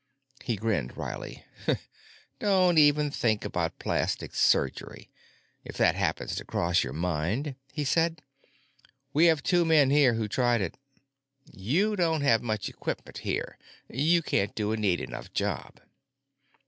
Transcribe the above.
He grinned wryly. "Don't even think about plastic surgery, if that happens to cross your mind," he said. "We have two men here who tried it. You don't have much equipment here; you can't do a neat enough job."